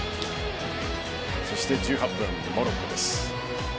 そして１８分、モロッコです。